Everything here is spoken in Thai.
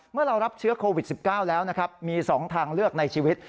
เมื่อเรารับเชื้อโควิด๑๙แล้วนะครับมี๒ทางเลือกในชีวิต